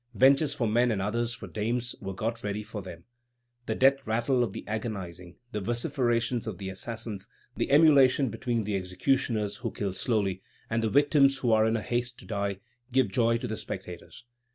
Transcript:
Benches for men and others for dames were got ready for them. The death rattle of the agonizing, the vociferations of the assassins, the emulation between the executioners who kill slowly and the victims who are in haste to die, give joy to the spectators.